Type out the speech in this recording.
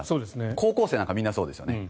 高校生なんかみんなそうですよね。